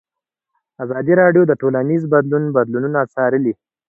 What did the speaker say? ازادي راډیو د ټولنیز بدلون بدلونونه څارلي.